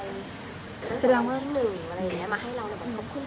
แล้วส่วนที่๑อะไรอย่างนี้มาให้เราแล้วบอกขอบคุณค่ะ